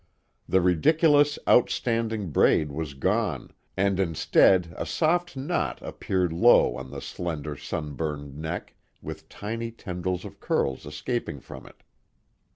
The ridiculous, outstanding braid was gone, and instead, a soft knot appeared low on the slender, sun burned neck, with tiny tendrils of curls escaping from it.